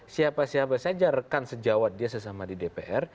siapa siapa saja rekan sejawat dia sesama di dpr